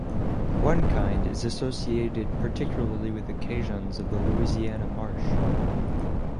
One kind is associated particularly with the Cajuns of the Louisiana marsh.